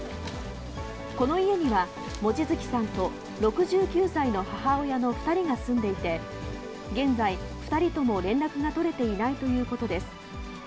この家には、望月さんと６９歳の母親の２人が住んでいて、現在、２人とも連絡が取れていないということです。